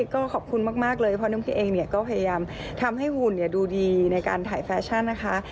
ก็ขอบคุณมากเลยเพราะน้ำพริกเองเนี่ยก็พยายามทำให้หุ่นดูดีในการถ่ายแฟชั่นนะคะ